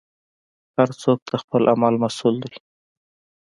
هر څوک د خپل عمل مسوول دی.